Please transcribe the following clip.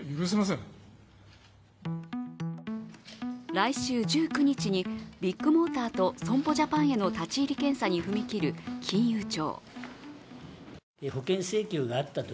来週１９日に、ビッグモーターと損保ジャパンへの立ち入り検査に踏み切る金融庁。